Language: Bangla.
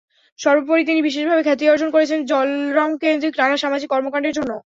সর্বোপরি তিনি বিশেষভাবে খ্যাতি অর্জন করেছেন জলরংকেন্দ্রিক নানা সামাজিক কর্মকাণ্ডের জন্য।